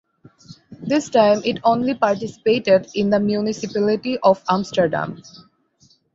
This time it only participated in the municipality of Amsterdam.